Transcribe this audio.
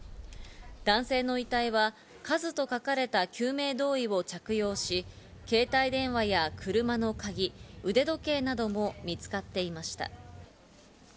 男性の遺体は「ＫＡＺＵ」と書かれた救命胴衣を着用し、携帯電話や車の鍵、腕時計なども見つかっていました。